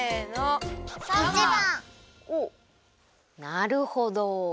なるほど！